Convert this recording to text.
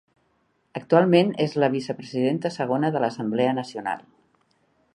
Actualment és la vicepresidenta segona de l'Assemblea Nacional.